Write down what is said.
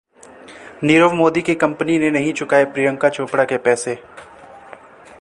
नीरव मोदी की कंपनी ने नहीं चुकाए प्रियंका चोपड़ा के पैसे!